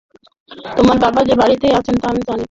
তোমার বাবা যে বাড়িতেই আছেন তা আমি জানি।